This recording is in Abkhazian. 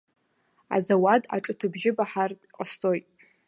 Азауад аҿыҭыбжьы баҳартә иҟасҵоит.